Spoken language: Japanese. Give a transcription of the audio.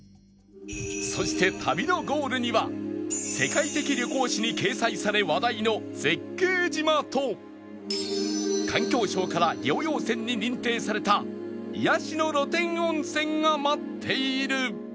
そして旅のゴールには世界的旅行誌に掲載され話題の絶景島と環境省から療養泉に認定された癒やしの露天温泉が待っている